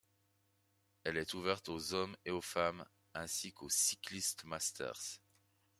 Elle est ouverte aux hommes et aux femmes, ainsi qu'aux cyclistes masters.